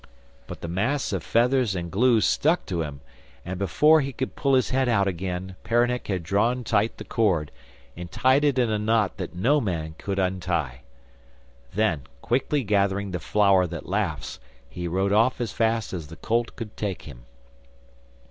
But the mass of feathers and glue stuck to him, and before he could pull his head out again Peronnik had drawn tight the cord, and tied it in a knot that no man could untie. Then, quickly gathering the flower that laughs, he rode off as fast as the colt could take him.